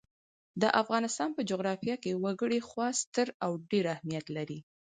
د افغانستان په جغرافیه کې وګړي خورا ستر او ډېر اهمیت لري.